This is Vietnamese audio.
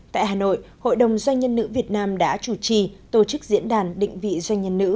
tại hà nội hội đồng doanh nhân nữ việt nam đã chủ trì tổ chức diễn đàn định vị doanh nhân nữ